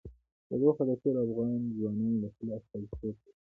تودوخه د ټولو افغان ځوانانو د هیلو استازیتوب کوي.